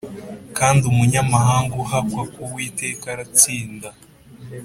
Kandi umunyamahanga uhakwa ku Uwiteka aratsinda